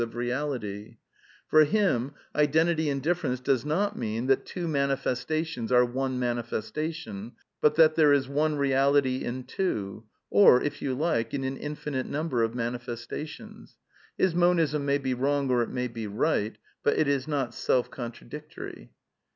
j)£.jseality* For him, identity in difference does not mean that two manifestations are one manifestation, but that th^r e is one reality in twjL. or, if yon like, in an infinite number of manifestations. His Monism may be wrong or it may be right, but it is not self contradictory.